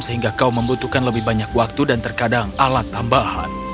sehingga kaum membutuhkan lebih banyak waktu dan terkadang alat tambahan